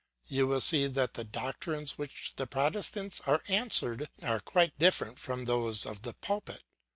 You will see that the doctrines with which Protestants are answered are quite different from those of the pulpit.